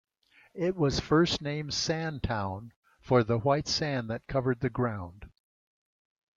It was first named Sandtown for the white sand that covered the ground.